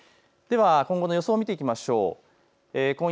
では今後の予想を見ていきましょう。